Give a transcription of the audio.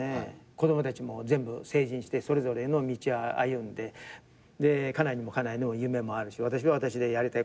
子供たちも全部成人してそれぞれの道歩んでで家内にも家内の夢もあるし私は私でやりたいことがあるんで。